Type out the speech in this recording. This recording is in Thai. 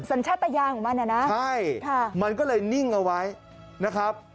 สัญชาตยาของมันนะใช่มันก็เลยนิ่งเอาไว้นะครับ